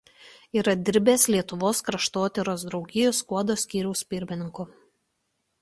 Yra dirbęs Lietuvos kraštotyros draugijos Skuodo skyriaus pirmininku.